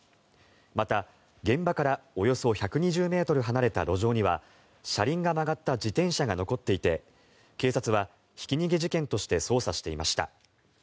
また、現場からおよそ１２０ｍ離れた路上には車輪が曲がった自転車が残っていて警察はひき逃げ事件として捜査していました。